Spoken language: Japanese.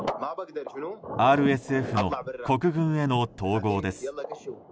ＲＳＦの国軍への統合です。